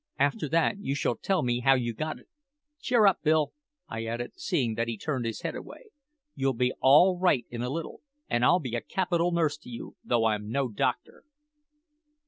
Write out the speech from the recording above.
After that you shall tell me how you got it. Cheer up, Bill!" I added, seeing that he turned his head away; "you'll be all right in a little, and I'll be a capital nurse to you, though I'm no doctor."